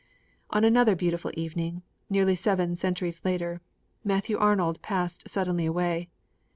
On another beautiful evening, nearly seven centuries later, Matthew Arnold passed suddenly away.